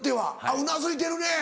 うなずいてるね。